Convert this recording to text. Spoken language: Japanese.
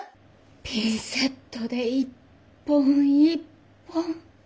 ピンセットで一本一本。